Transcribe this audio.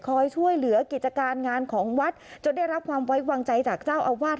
ช่วยเหลือกิจการงานของวัดจนได้รับความไว้วางใจจากเจ้าอาวาส